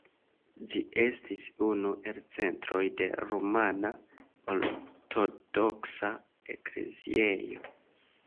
Ĝi estis unu el centroj de rumana ortodoksa ekleziejo.